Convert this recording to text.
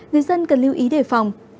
người dân cần lưu ý đề phòng